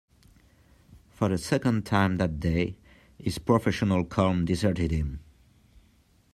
For the second time that day his professional calm deserted him.